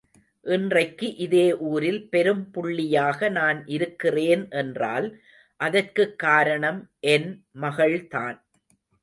இன்றைக்கு இதே ஊரில் பெரும் புள்ளியாக நான் இருக்கிறேன் என்றால் அதற்குக் காரணம் என் மகள்தான்.